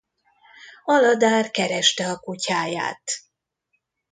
Aladár kereste a kutyáját.